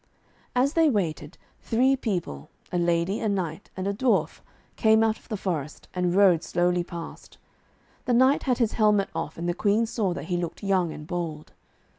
As they waited, three people, a lady, a knight and a dwarf, came out of the forest, and rode slowly past. The knight had his helmet off, and the Queen saw that he looked young and bold.